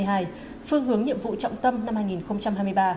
phương hướng nhiệm vụ trọng tâm năm hai nghìn hai mươi ba